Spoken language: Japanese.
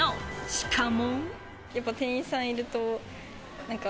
しかも。